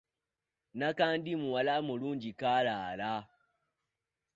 Nakandi muwala mulungi kaalaala.